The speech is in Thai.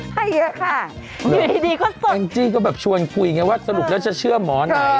ให้เยอะค่ะอยู่ดีก็ส่งแองจี้ก็แบบชวนคุยไงว่าสรุปแล้วจะเชื่อหมอไหน